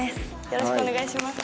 よろしくお願いします。